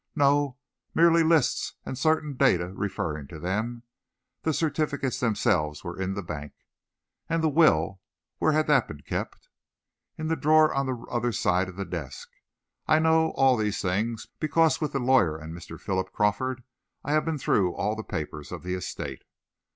"No; merely lists and certain data referring to them. The certificates themselves were in the bank." "And the will where had that been kept?" "In a drawer on the other side of the desk. I know all these things, because with the lawyer and Mr. Philip Crawford, I have been through all the papers of the estate."